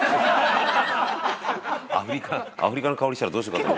アフリカの香りしたらどうしようかと。